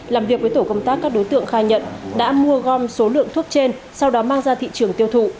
làm việc với tổ công tác các đối tượng khai nhận đã mua gom số lượng thuốc trên sau đó mang ra thị trường tiêu thụ